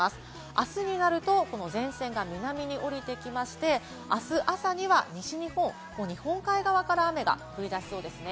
あすになると前線が南に下りてきまして、あす朝には西日本、日本海側から雨が降りだしそうです。